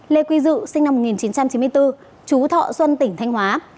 lê quy dự sinh năm một nghìn chín trăm chín mươi bốn chú thọ xuân tỉnh thanh hóa